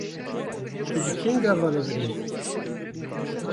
Tu ji kengî ve li vir î?